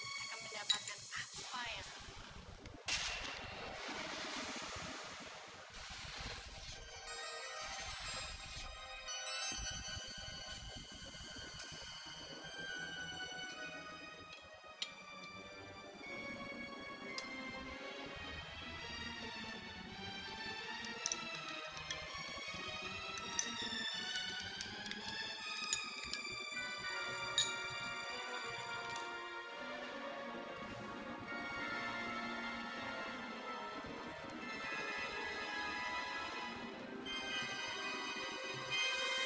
akan mendapatkan apa yang aku mau